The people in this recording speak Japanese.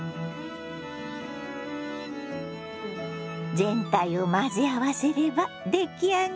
全体を混ぜ合わせれば出来上がりです。